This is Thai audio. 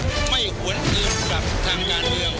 ผมไม่หวนเกลียวกับทางงานเดียว